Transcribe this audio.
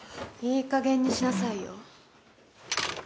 いいかげんにしなさいよ。